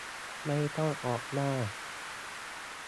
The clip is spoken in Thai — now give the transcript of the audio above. ไม่ต้องออกหน้า